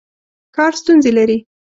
کار ستونزې لري.